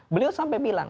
beliau sampai bilang